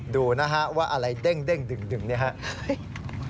ดูนะฮะว่าอะไรเด้งดึงเนี่ยครับ